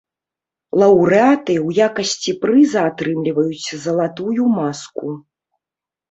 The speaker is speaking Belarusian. Лаўрэаты ў якасці прыза атрымліваюць залатую маску.